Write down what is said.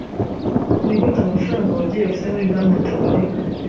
ni gute amafaranga ababyeyi bafite muri banki ataboneka